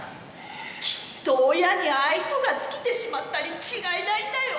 「きっと親に愛想が尽きてしまったに違いないんだよ！」